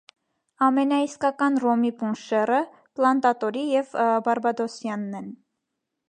«Ամենաիսկական» ռոմի պունշերը՝ պլանտատորի և բարբադոսյանն են։